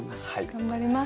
頑張ります。